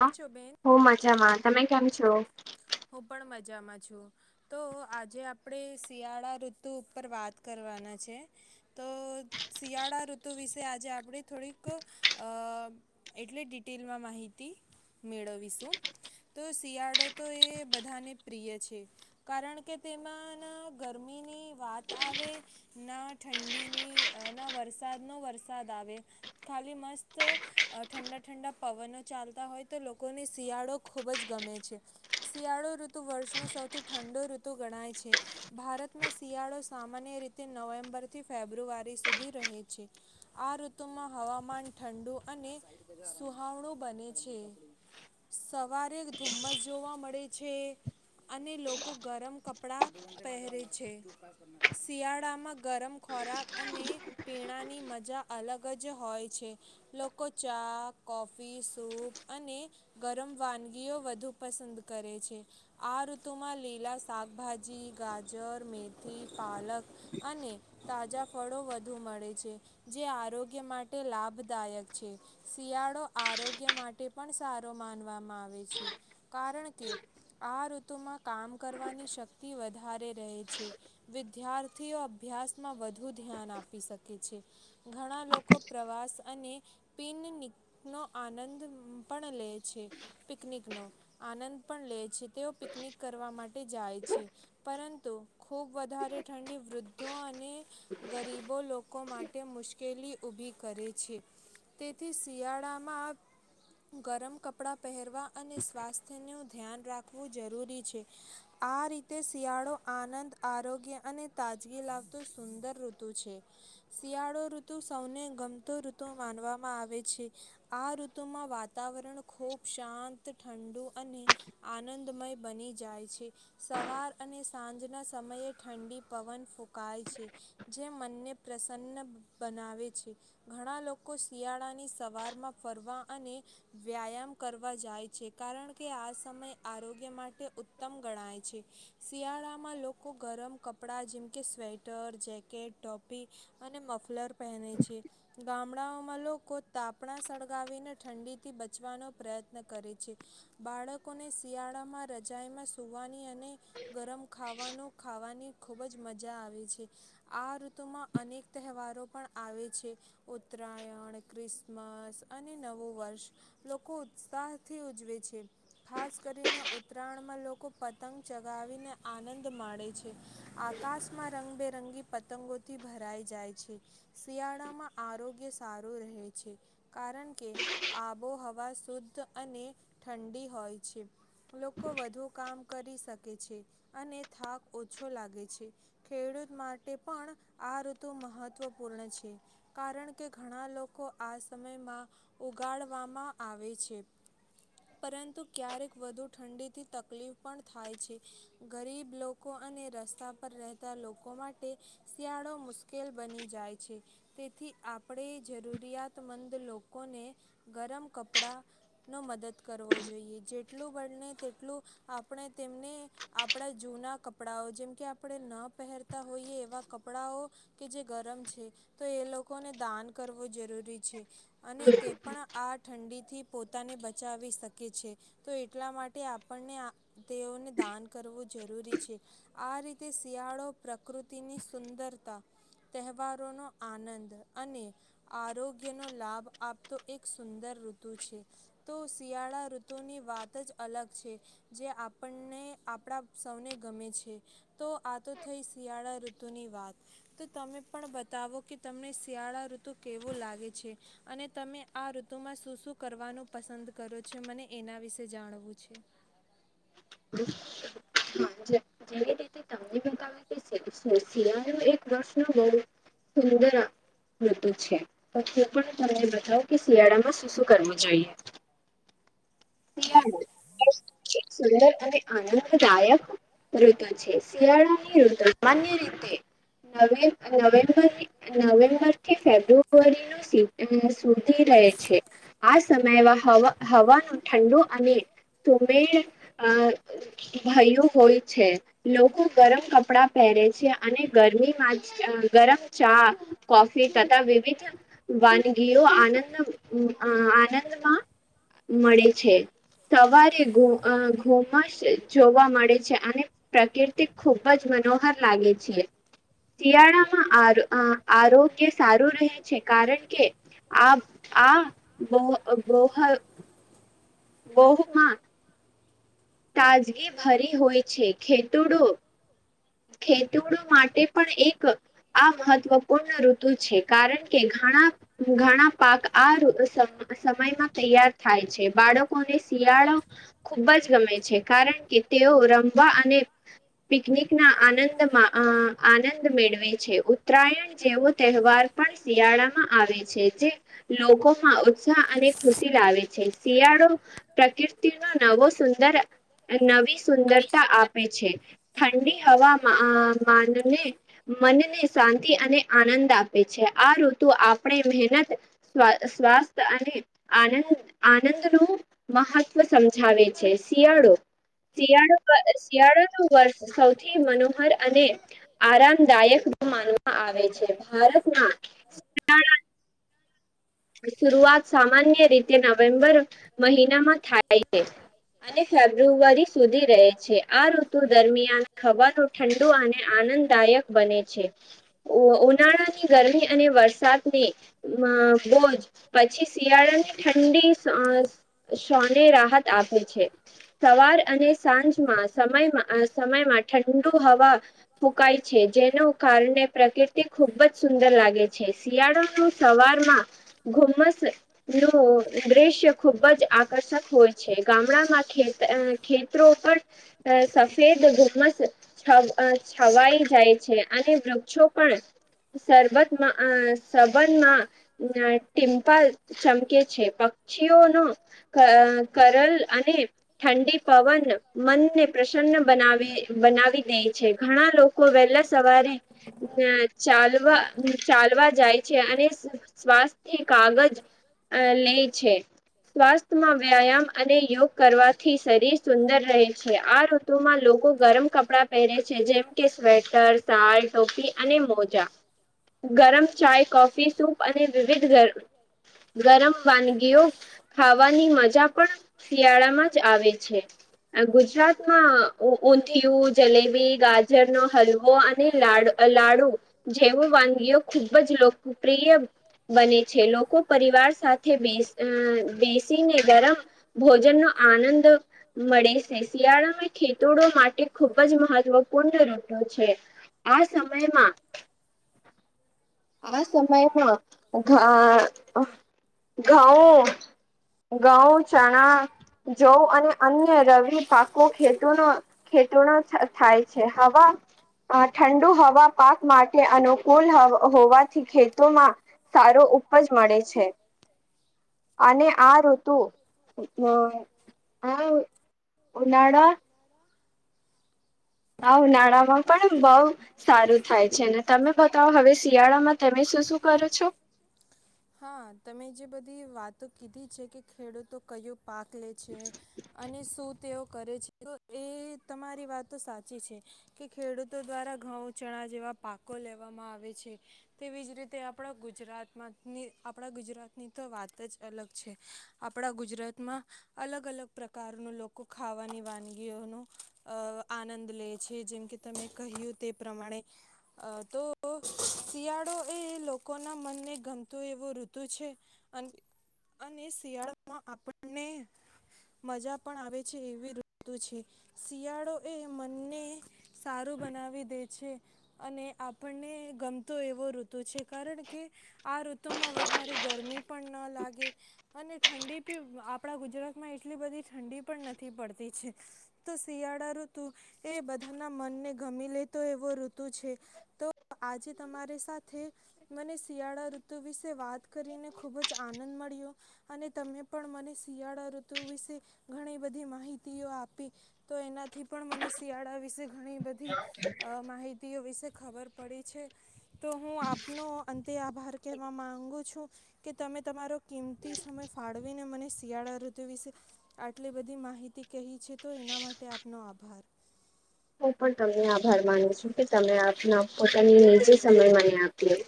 હ હું મજામાં તમે કેમ છો? હું પણ મજામાં છું. તો આજે આપણે શિયાળા ઋતુ ઉપર વાત કરવાના છે, તો શિયાળા ઋતુ વિશે આજે આપણે થોડીક અ એટલે ડિટેલમાં માહિતી મેળવીશું. તો શિયાળો તો એ બધાને પ્રિય છે, કારણ કે તેમાં ના ગરમીની વાત આવે ના ઠંડીની ના વરસાદનો વરસાદ આવે ખાલી મસ્ત ઠંડા ઠંડા પવનો ચાલતા હોય તો લોકોને શિયાળો ખૂબ જ ગમે છે. શિયાળો ઋતુ વર્ષનો સૌથી ઠંડો ઋતુ ગણાય છે, ભારતમાં શિયાળો સામાન્ય રીતે નવેમ્બરથી ફેબ્રુઆરી સુધી રહે છે, આ ઋતુમાં હવામાન ઠંડુ અને સુહાવણું બને છે સવારે ધુમ્મસ. જોવા મળે છે અને લોકો ગરમ કપડા પહેરે છે, શિયાળામાં ગરમ ખોરાક અને પીણાની મજા અલગ જ હોય છે, લોકો ચા, કોફી, સૂપ અને ગરમ વાનગીઓ વધુ પસંદ કરે છે આ ઋતુમાં લીલા શાકભાજી, ગાજર, મેથી, પાલક અને તાજા ફળો વધુ મળે છે, જે આરોગ્ય માટે લાભદાયક છે, શિયાળો આરોગ્ય માટે પણ સારો માનવામાં આવે છે. કારણ કે આ ઋતુમાં કામ કરવાની શક્તિ વધારે રહે છે, વિદ્યાર્થીઓ અભ્યાસમાં વધુ ધ્યાન આપી શકે છે, ઘણા લોકો પ્રવાસ અને પિન નો આનંદ પણ લે છે પિકનિકનો. આનંદ પણ લે છે તેઓ પિકનિક કરવા માટે જાય છે, પરંતુ ખુબ વધારે ઠંડી વૃદ્ધો અને ગરીબો લોકો માટે મુશ્કેલી ઊભી કરે છે, તેથી શિયાળામાં ગરમ કપડા પહેરવા અને સ્વાસ્થ્યનું ધ્યાન રાખવું જરૂરી છે આ રીતે શિયાળો આનંદ આરોગ્ય અને તાજગી લાવતો સુંદર ઋતુ છે, શિયાળો ઋતુ સૌને ગમતો ઋતુ માનવામાં આવે છે, આ ઋતુમાં વાતાવરણ ખૂબ શાંત. ઠંડુ અને આનંદમય બની જાય છે સવાર અને સાંજના સમયે ઠંડી પવન ફૂંકાય છે, જે મનને પ્રસન્ન બનાવે છે, ઘણા લોકો શિયાળાની સવારમાં ફરવા અને વ્યાયામ કરવા જાય છે. કારણ કે આ સમય આરોગ્ય માટે ઉત્તમ ગણાય છે, શિયાળામાં લોકો ગરમ કપડાં જેમ કે સ્વેટર, જેકેટ, ટોપી અને મફલર પહેને છે, ગામડાઓમાં લોકો તાપણાં સળગાવીને ઠંડીથી બચવાનો પ્રયત્ન કરે છે. બાળકોને શિયાળામાં રજાઇમાં સુવાની અને ગરમ ખાવાનું ખાવાની. ખૂબ જ મજા આવે છે. આ ઋતુમાં અનેક તહેવારો પણ આવે છે ઉત્તરાયણ, ક્રિસમસ અને નવું વર્ષ લોકો ઉત્સાહથી ઉજ ઉજવે છે. ખાસ કરીને ઉત્તરાયણમાં લોકો પતંગ ચગાવીને આનંદ માણેે છે. આકાશમાં રંગબે રંગી પતંગોથી ભરાઈ જાય છે. શિયાળામાં આરોગ્ય સારું રહે છે. કારણ કે આબોહવા શુદ્ધ અને ઠંડી હોય છે. લોકો વધુ કામ કરી શકે છે અને થાક ઓછો લાગે છે. ખેડૂત માટે પણ આ ઋતુ મહત્વપૂર્ણ છે. કારણ કે ઘણા લોકો આ સમયમાં ઉગાડવામાં આવે છે. પરંતુ ક્યારેક વધુ ઠંડીથી તકલીફ પણ થાય છે. ગરીબ લોકો અને રસ્તા પર રહેતા લોકો માટે શિયાળો મુશ્કેલ બની જાય છે. તેથી આપણે જરૂરિયાતમંદ લોકોને ગરમ કપડાંનો મદદ કરવો જોઈએ. જેટલું બને તેટલું આપણે તેમને આપણા જૂના કપડાંઓ જેમ કે આપણે ન પહેરતા હોઈએ એવા કપડાંઓ કે જે ગરમ છે તો એ લોકોને દાન કરવું જરૂ રિ છે અને તે પણ આ ઠંડી થી પોતાને બચાવી શકે છે. તો એટલા માટે આપણને આ તેઓને દાન કરવું જરૂરી છે. આ રીતે શિયાળો પ્રકૃતિની સુંદરતા, તહેવારોનો આનંદ અને આરોગ્યનો લાભ આપતો એક સુંદર ઋતુ છે. તો શિયાળા ઋતુની વાત જ અલગ છે. જે આપણને આપણા સૌને ગમે છે. તો આ તો થઈ શિયાળા ઋતુની વાત તો તમે પણ બતાવો કે તમને શિયાળા ઋતુ કેવું લાગે છે અને તમે આ ઋતુમાં શું શું કરવાનું પસંદ કરો છો મને એના વિશે જાણવું છે. જેવી રીતે તમને બતાવે છે શું શિયાળો એક વર્ષનું [inaudible] ઋતુ છે તો પણ તમને બતાવ કે શિયાળામાં શું શું કરવું જોઈએ? [inaudible] આનંદદાયક ઋતુ છે શિયાળાની ઋતુ સામાન્ય રીતે નવે નવેમ્બર નવેમ્બરથી ફેબ્રુઆરી નું સુધી રહે છે આ સમયમાં હવા હવાનું ઠંડુ અને સુમેળ અ ભયું હોય છે લોકો ગરમ કપડા પહેરે છે અને ગરમીમાં ગરમ ચા, કોફી તથા વિવિધ વાનગીઓ અ આ આનંદ આનંદમાં મળે છે. સવારે ધમાસ જોવા મળે છે અને પ્રકૃતિ ખૂબ જ મનોહર લાગે છે. શિયાળામાં આ આરોગ્ય સારું રહે છે કારણ કે આ આ બ બહ બહુમાં તાજગી ભરી હોય છે. ખેતૂડ ખેતૂડ માટે પણ એક આ મહત્વપૂર્ણ ઋતુ છે. કારણ કે ઘણા ઘણા પાક આ ઋતુ સમયમાં તૈયાર થાય છે. બાળકોને શિયાળો ખૂબ જ ગમે છે. કારણ કે તેઓ રમવા અને પિકનિક ના આનંદમાં અ આનંદ મેળવે છે. ઉત્તરાયણ જેવો તહેવાર પણ શિયાળામાં આવે છે. જે લોકોમાં ઉત્સાહ અને ખુશી લાવે છે, શિયાળો પ્રકૃતિનો નવો સુંદર નવી સુંદરતા આપે છે. ઠંડી હવા અ માનને મનને શાંતિ અને આનંદ આપે છે. આ ઋતુ આપણે મહેનત સ્વાસ્થ અને આનંદ આનંદ નું મહત્વ સમજાવે છે. શિયાળો શિયાળો શિયાળો નો સૌથી મનોહર અને, આરામદાયક માન આવે છે, ભારતમાં શરઆત સામાન્ય રીતે તે નવેમ્બર મહિનામાં થાય છે, અને ફેબ્રુઆરી સુધી રહે છે, આ ઋતુ દરમિયાન ખવાનું ઠંડુ અને આનંદદાયક બને છે, ઉનાળાની ગરમી અને વરસાદને બોજ પછી શિયાળાની ઠંડી અ સોને રાહત આપે છે, સવાર અને સાંજમાં સમયમાં સમયમાં ઠંડુ હવા, ફૂકાય છે જેનું કારણે પ્રકૃતિ ખુબ જ સુંદર લાગે છે શિયાળો ન સવારમાં ઘુમસ નું દ્રશ્ય ખૂબ જ આકર્ષક હોય છે ગામડામાં ખેત ખેતરો પણ, સફેદ ધુમ્મસ છ છવાઈ જાય છે અને વૃક્ષો પણ સરબતમાં સબંધમાં ટિમ્પલ ચમકે છે, પક્ષી કરલ અને ઠંડી પવન મનને પ્રસન્ન બનાવી બનાવી દે છે ઘણા લોકો વહેલા સવારે, ચાલવા ચાલવા જાય. છે અને સ્વાસ્થ્ય કાગજ લે છે, સ્વાસ્થ ઋમાં વ્યાયામ અને યોગ કરવાથી શરીર સુંદર રહે છે આ ઋતુમાં લોકો ગરમ કપડા પહેરે છે જેમ કે સ્વેટર શાલ ટોપી અને મોજા, ગરમ ચાય કોફી સપ અને વિવિધ ગરમ વાનગીઓ ખાવાની મજા પણ શિયાળામાં જ આવે છે, ગુજરાતમાં ઊંધિયું જલેબી ગાજરનોો હલવો અને લાડ લાડુ, જેવું વાનગીઓ ખુબ જ લોકપ્રિય બને છે લોકો પરિવાર સાથે બે બેસીને ગરમ ભોજનનો આનંદ મળે છે, શિયાળામાં ખેતૂડ માટે ખૂબ જ મહત્વપૂર્ણ ઋટો છે, આ સમયમાં આ સમયમાં. ઘા ઘાઉ ઘઉં ચણા જો અને અન્ય રવિ પાકો ખેતૂનો ખેતૂનો થાય છે. હવા, ઠંડુ હવા પાક માટે અનુકૂળ હોવાથી ખેતમાં સારો ઉપજ મળે છે, અને આ ઋતુ આ ઉનાળા હ ઉનાળામાં પણ બઉ સારું થાય છે અને તમે બતાવો હવે શિયાળામાં તમે શું શું કરો છો? તો કીધી છે કે ખેડૂતો કય પાકલેે છે, અને શું તેઓ કરે છે તો એ તમારી વાત તો સાચી છે. કે ખેડૂતો દ્વારા ઘઉં ચણા જેવા પાકો લેવામાં આવે છે, તેવીજ રીતે આપણા ગુજરાતમાંની આપણા ગુજરાતની તો વાત જ અલગ છે, આપણા ગુજરાતમાં અલગ અલગ પ્રકારનું લોકો ખાવાની વાનગીઓનો અ આનંદ લે છે, જેમકે તમે કહ્યું તે પ્રમાણે, તો શિયાળો એ લોકોના મનને ગમત એવો ઋતુ છે, અને શિયાળોમાં આપણને મજા પણ આવે છે, એવી ઋતુ છે શિયાળો એ મનને સારું બનાવી દે છે, અને આપણને ગમતો એવો ઋતુ છે. કારણ કે આ ર ઋતુમાં વધારે ગરમી પણ ન લાગે, અને ઠંડી પણી આપણા ગુજરાતમાં એટલી બધી ઠંડી પણ નથી પડતી છે, તો શિયાળા ઋતુ એ બધ ગમી લેતો એવો ઋતુ છે, તો આજે તમારી સાથે, મને શિયાળા ઋતુ વિશે વાત કરીને ખુબ જ આનંદ મળ્યો, અને તમે પણ મને શિયાળા ઋતુ વિશે, ઘણી બધી માહિતીઓ આપી, તો એનાથી પણ મને શિયાળા વિશે ઘણી બધી માહિતી વિશે ખબર પડી છે, તો હું આપનો અંતે આભાર કહેવા માંગુ છું કે તમે તમારો કિંમતી સમય ફાળવીને મને શિયાળા ઋતુ વિશે, આટલી બધી માહિતી કહી છે તો એના માટે આપનો આભાર. હું પણ તમને આભાર માનું છું કે તમે પોતાની જે સમય મને આપ્યો.